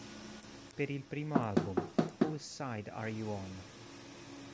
Per il primo album, "Whose Side Are You On?